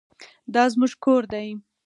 دا زموږ کور دی